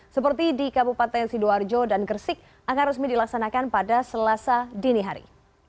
seperti di kabupaten sidoarjo dan gersik akan resmi dilaksanakan pada selasa dini hari